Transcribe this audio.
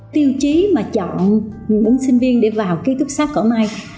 tiêu chí mà chọn bốn sinh viên để vào ký túc xác cỏ mai